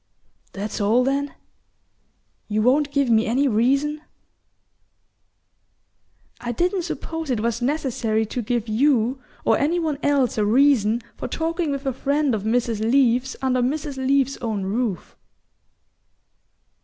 "That's all then? You won't give me any reason?" "I didn't suppose it was necessary to give you or any one else a reason for talking with a friend of Mrs. Leath's under Mrs. Leath's own roof."